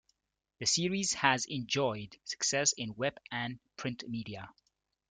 The series has enjoyed success in web and print media.